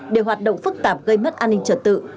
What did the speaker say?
để hoạt động phức tạp gây mất an ninh trật tự